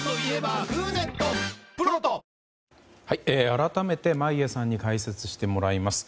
改めて眞家さんに解説してもらいます。